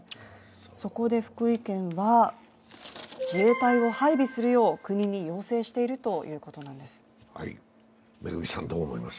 そこで福井県は、自衛隊を配備するよう国に要請しているということなんです。